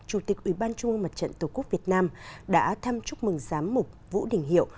chủ tịch ủy ban trung ương mặt trận tổ quốc việt nam đã thăm chúc mừng giám mục vũ đình hiệu